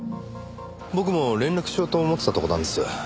僕も連絡しようと思ってたところなんです。